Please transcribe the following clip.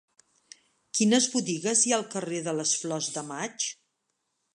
Quines botigues hi ha al carrer de les Flors de Maig?